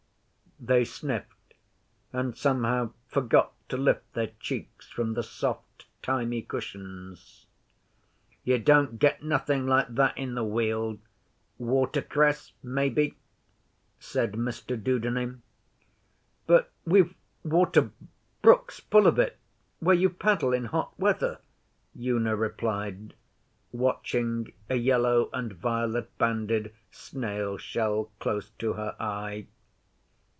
They sniffed, and somehow forgot to lift their cheeks from the soft thymy cushions. 'You don't get nothing like that in the Weald. Watercress, maybe?' said Mr Dudeney. 'But we've water brooks full of it where you paddle in hot weather,' Una replied, watching a yellow and violet banded snail shell close to her eye.